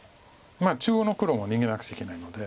中央の黒も逃げなくちゃいけないので。